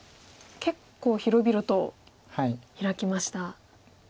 結構広々とヒラきました。